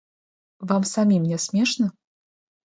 Вам самім не смешна?!